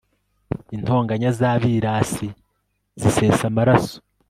intonganya z'abirasi zisesa amaraso